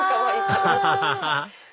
アハハハ！